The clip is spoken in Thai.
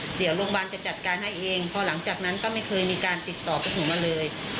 เดี๋ยวโรงพยาบาลจะจัดการให้เองพอหลังจากนั้นก็ไม่เคยมีการติดต่อไปถึงมาเลย